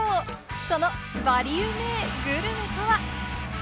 その、バリうめぇグルメとは？